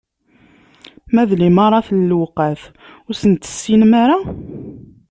Ma d limaṛat n lewqat, ur sen-tessinem ara?